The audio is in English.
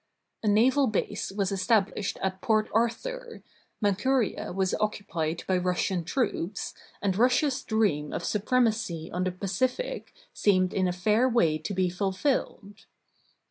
A naval base was established at Port Ar thur, Manchuria was occupied by Russian troops, and Rus sia's dream of supremacy on the Pacific seemed in a fair way to be fulfilled.